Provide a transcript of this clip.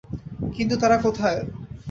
কিন্তু, তারা কোথায়?